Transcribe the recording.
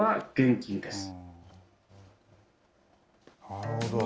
なるほど。